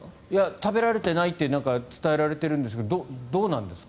食べられていないと伝えられているんですがどうなんですか？